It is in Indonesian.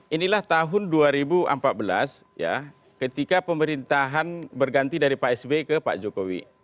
inilah tahun dua ribu empat belas ya ketika pemerintahan berganti dari pak sby ke pak jokowi